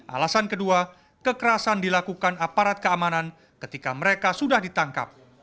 alasan kedua kekerasan dilakukan aparat keamanan ketika mereka sudah ditangkap